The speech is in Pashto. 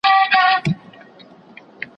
له بي بي سره ملگري سل مينځياني